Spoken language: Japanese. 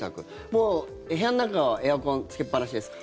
もう部屋の中はエアコンつけっぱなしですか？